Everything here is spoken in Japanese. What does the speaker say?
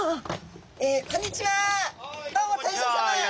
こんにちは。